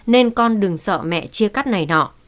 nên con đừng sợ mẹ chia cắt này nọ